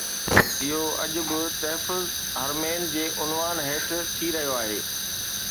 اهو اڄ به تحفظ حرمين جي عنوان هيٺ ٿي رهيو آهي